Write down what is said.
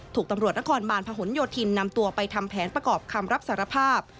ถูกตำรวจนครบาลพหนโยธินนำตัวไปทำแผนประกอบคำรับสารภาพ